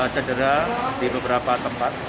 cedera di beberapa tempat